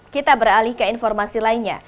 kita beralih ke informasi lainnya